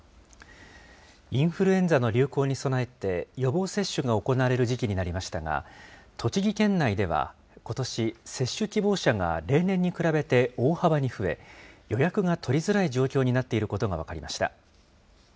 インフルエンザの流行に備えて、予防接種が行われる時期になりましたが、栃木県内では、ことし、接種希望者が例年に比べて大幅に増え、予約が取りづらい状況になっていることが分かりました。